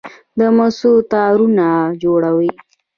د مسو تارونه جوړوي.